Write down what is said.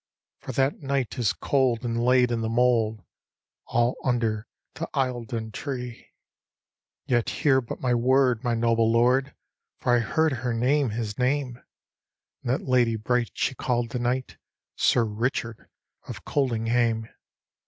For that knight is cold and laid in the mould) All under the Eildon trec." —" Yet hear but my word, my noble lord I For I heard her name his name; And that lady bright she called the knight Sir Richard of Coldinghame!